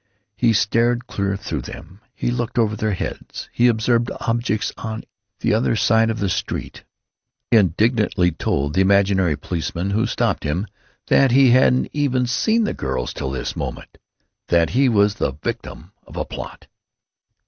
He stared clear through them; he looked over their heads; he observed objects on the other side of the street. He indignantly told the imaginary policemen who stopped him that he hadn't even seen the girls till this moment; that he was the victim of a plot.